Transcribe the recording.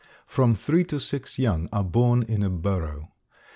From three to six young are born in a burrow.